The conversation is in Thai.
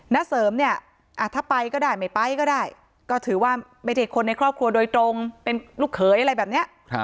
ณเสริมเนี่ยถ้าไปก็ได้ไม่ไปก็ได้ก็ถือว่าไม่ใช่คนในครอบครัวโดยตรงเป็นลูกเขยอะไรแบบนี้